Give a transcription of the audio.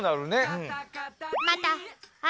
うん。